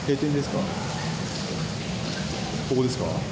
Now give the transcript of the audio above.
ここですか？